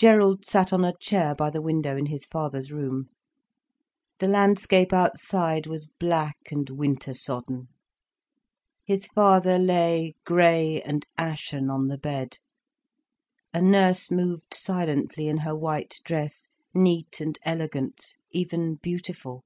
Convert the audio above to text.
Gerald sat on a chair by the window in his father's room. The landscape outside was black and winter sodden. His father lay grey and ashen on the bed, a nurse moved silently in her white dress, neat and elegant, even beautiful.